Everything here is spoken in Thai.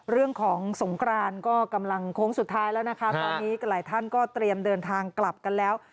เรื่องของสงกรานก็กำลังโค้งสุดท้ายแล้วนะคะตอนนี้หลายท่านก็เตรียมเดินทางกลับกันแล้ว